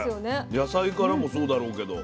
野菜からもそうだろうけど。